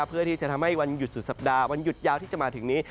เพื่อที่จะทำให้วันหยุดสุดสัปดาห์วันหยุดยาวที่จะมาถึงนี้